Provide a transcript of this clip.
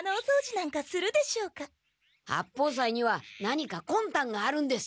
八方斎には何かこんたんがあるんです！